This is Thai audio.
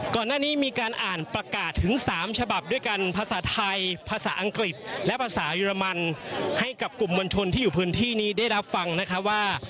ก่อนหน้านี้มีการอ่านประกาศถึง๓ฉบับด้วยกันภาษาไทยภาษาอังกฤษและภาษาเยอรมันให้กับกลุ่มมวลชนที่อยู่พื้นที่นี้ได้รับฟังนะคะว่า